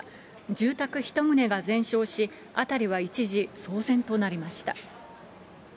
住宅１棟が全焼し、辺りは一時、騒然となりました。